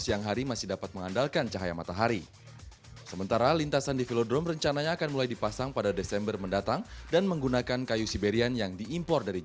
sampai ketemu lagi